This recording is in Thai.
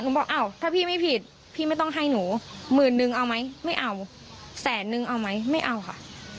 บอกอ้าวถ้าพี่ไม่ผิดพี่ไม่ต้องให้หนูหมื่นนึงเอาไหมไม่เอาแสนนึงเอาไหมไม่เอาค่ะ